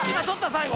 最後。